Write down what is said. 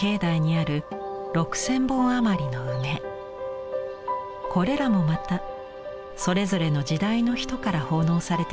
これらもまたそれぞれの時代の人から奉納されてきたものです。